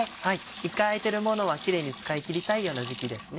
一回開いてるものはキレイに使い切りたいような時期ですね。